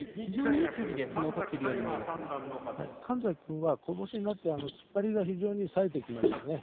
神崎君は、ことしになって突っ張りがさえてきました。